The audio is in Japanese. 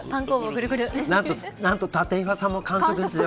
なんと立岩さんも完食ですよ。